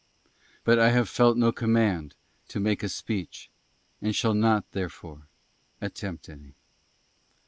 BUT I HAVE FELT NO COMMAND TO MAKE A SPEECH ; AND SHALL NOT THEREFORE ATTEMPT ANY.